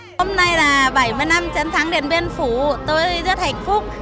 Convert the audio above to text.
hôm nay là bảy mươi năm chiến thắng điện biên phủ tôi rất hạnh phúc